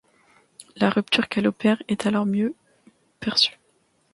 La rupture qu'elle opère est alors mieux perçue.